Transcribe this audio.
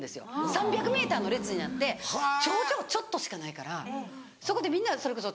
３００ｍ の列になって頂上ちょっとしかないからそこでみんなそれこそ